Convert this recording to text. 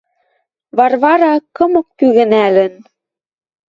Варвара, кымык пӱгӹнӓлӹн